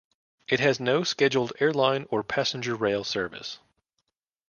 It has no scheduled airline or passenger rail service.